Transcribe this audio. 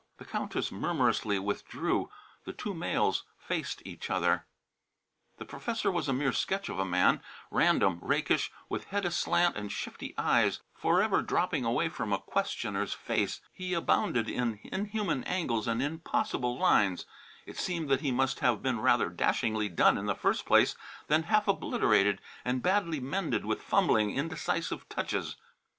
The Countess murmurously withdrew. The two males faced each other. [Illustration: "I feared he was discommoding you," ventured the Countess, elegantly apologetic] The professor was a mere sketch of a man, random, rakish, with head aslant and shifty eyes forever dropping away from a questioner's face. He abounded in inhuman angles and impossible lines. It seemed that he must have been rather dashingly done in the first place, then half obliterated and badly mended with fumbling, indecisive touches.